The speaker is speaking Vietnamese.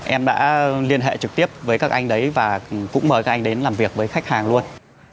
em đã liên hệ trực tiếp với các anh đấy và cũng mời các anh đến làm việc với khách hàng luôn